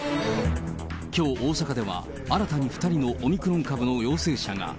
きょう、大阪では新たに２人のオミクロン株の陽性者が。